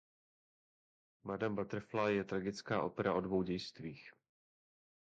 Madam Butterfly je tragická opera o dvou dějstvích.